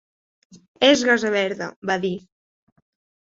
"És gasa verda", va dir.